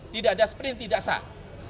tidak ada sprint tidak sah